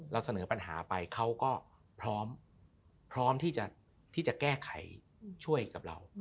เราเสนอปัญหาไปเขาก็พร้อมที่จะแก้ไขช่วยกับเรา